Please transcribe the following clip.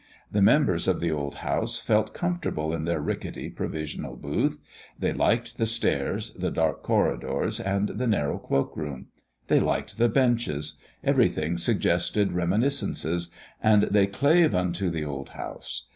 The members of the old house felt comfortable in their ricketty provisional booth; they liked the stairs, the dark corridors, and the narrow cloak room; they liked the benches everything suggested reminiscences, and they clave unto the old house.